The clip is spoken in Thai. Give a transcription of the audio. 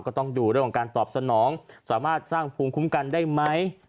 ก็ต้องดูเรื่องของการตอบสนองสามารถสร้างภูมิคุ้มกันได้ไหม